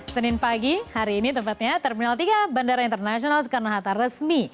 senin pagi hari ini tempatnya terminal tiga bandara internasional soekarno hatta resmi